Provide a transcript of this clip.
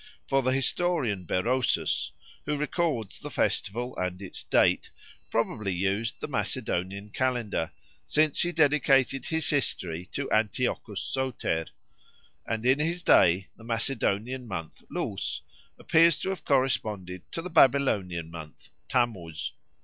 For the historian Berosus, who records the festival and its date, probably used the Macedonian calendar, since he dedicated his history to Antiochus Soter; and in his day the Macedonian month Lous appears to have corresponded to the Babylonian month Tammuz.